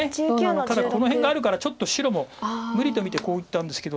ただこの辺があるからちょっと白も無理と見てこういったんですけど。